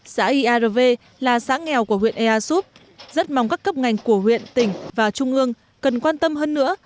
xã iarv là xã nghèo của huyện ea súp rất mong các cấp ngành của huyện tỉnh và trung ương cần quan tâm hơn nữa